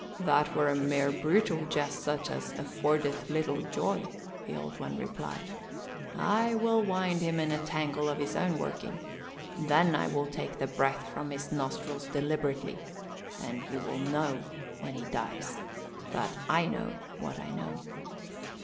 "That were a mere brutal jest such as affordeth little joy," the Old One replied. "I will wind him in a tangle of his own working, then I will take the breath from his nostrils deliberately and he will know, when he dies, that I know what I know."